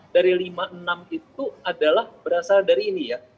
dari lima enam itu adalah berasal dari ini ya